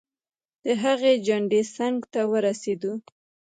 د هغې چنډې څنګ ته ورسیدو.